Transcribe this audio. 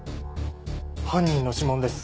犯人の指紋です。